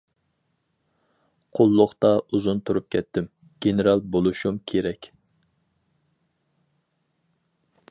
قۇللۇقتا ئۇزۇن تۇرۇپ كەتتىم، گېنېرال بولۇشۇم كېرەك.